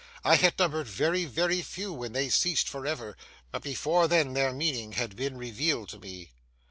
I had numbered very, very few when they ceased for ever, but before then their meaning had been revealed to me.